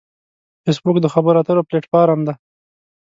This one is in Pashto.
فېسبوک د خبرو اترو پلیټ فارم دی